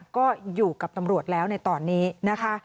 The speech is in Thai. ก็อยู่กับตำรวจแล้วในตอนนี้นะคะ